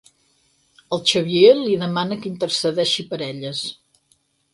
El Xavier li demana que intercedeixi per elles.